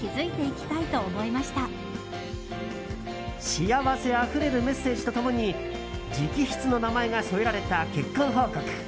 幸せあふれるメッセージと共に直筆の名前が添えられた結婚報告。